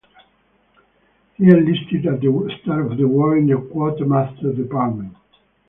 He enlisted at the start of war in the quartermaster department.